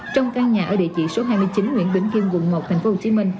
trong căn nhà ở địa chỉ số hai mươi chín nguyễn bỉnh khiêm vùng một tp hcm